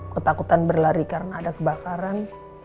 ketakutan berlari karena ada kebakaran